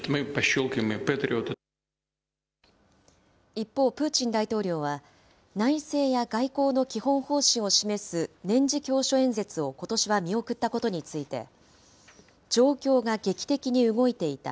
一方、プーチン大統領は、内政や外交の基本方針を示す年次教書演説をことしは見送ったことについて、状況が劇的に動いていた。